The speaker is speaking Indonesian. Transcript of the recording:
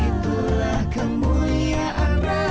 itulah kemuliaan ramadhan